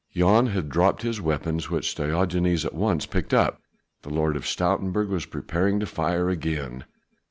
Jan had dropped his weapon which Diogenes at once picked up. The Lord of Stoutenburg was preparing to fire again.